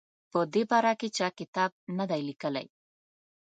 په دې باره کې چا کتاب نه دی لیکلی.